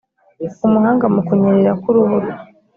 umuhanga mu kunyerera ku rubura